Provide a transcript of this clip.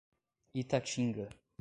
Itatinga